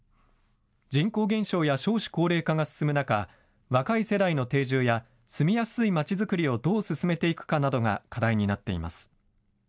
人口減少や少子高齢化が進む中、若い世代の定住や住みやすいまちづくりをどう進めていくかなどが課題になっています。